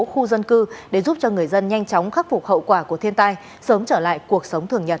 khu dân cư để giúp cho người dân nhanh chóng khắc phục hậu quả của thiên tai sớm trở lại cuộc sống thường nhật